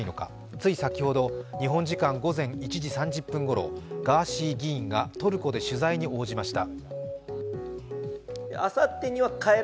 つい先ほど日本時間午前１時３０分ごろ、ガーシー議員がトルコで取材に応じました。